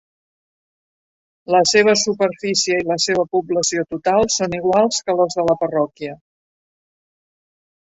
La seva superfície i la seva població total són iguals que les de la parròquia.